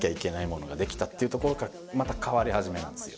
ていうところからまた変わり始めなんですよ。